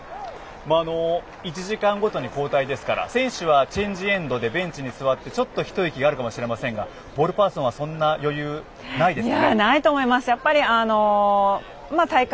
１時間ごとに交代ですから選手はチェンジエンドでベンチに座って一息あるかもしれないですがボールパーソンはそんな余裕ないですね。